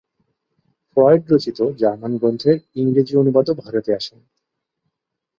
Freud রচিত German গ্রন্থের ইংরাজী অনুবাদও ভারতে আসেনি।